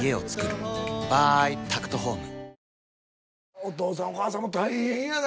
お父さんお母さんも大変やな。